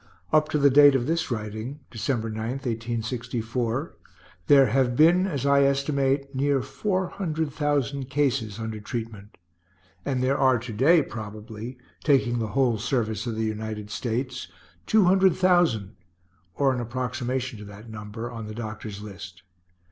Up to the date of this writing (December 9, 1864) there have been, as I estimate, near four hundred thousand cases under treatment, and there are to day, probably, taking the whole service of the United States, two hundred thousand, or an approximation to that number, on the doctors' list.